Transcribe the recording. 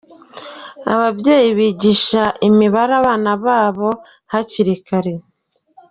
Ababyeyi bigisha imibare abana babo hakiri kare.